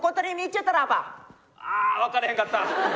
ああ分からへんかった！